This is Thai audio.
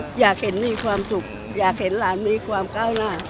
อยากเห็นมีความสุขอยากเห็นหลานมีความก้าวหน้า